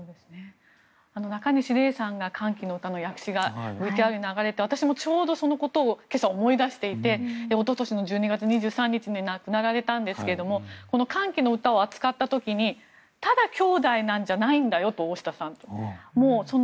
なかにし礼さんが行った「歓喜の歌」の訳詞がＶＴＲに流れて私もちょうどそのことを今朝、思い出していておととしの１２月２３日に亡くなられたんですが「歓喜の歌」を扱われた時にただ兄弟なんじゃないんだよと。